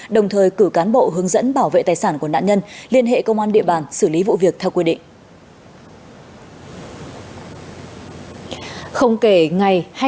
đồng thời cử cán bộ hướng dẫn bảo vệ tài sản của nạn nhân liên hệ công an địa bàn xử lý vụ việc theo quy định